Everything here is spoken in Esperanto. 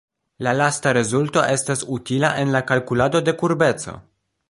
La lasta rezulto estas utila en la kalkulado de kurbeco.